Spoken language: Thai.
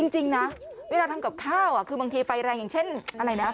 จริงนะเวลาทำกับข้าวคือบางทีไฟแรงอย่างเช่นอะไรนะ